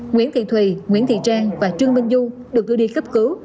nguyễn thị thùy nguyễn thị trang và trương minh du được gửi đi khắp cứu